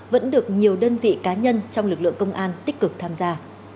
vẫn được nhiều đơn vị cá nhân trong lực lượng công an tích cực tham gia